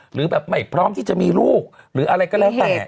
หรือแบบไม่พร้อมที่จะมีลูกหรืออะไรก็แล้วแต่